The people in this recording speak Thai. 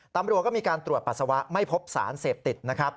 ตำรวจก็มีการตรวจปัสสาวะไม่พบสารเสพติดนะครับ